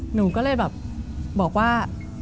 หนูก็เลยแบบบอกว่า